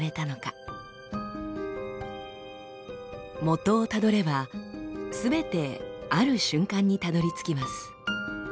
もとをたどればすべてある瞬間にたどりつきます。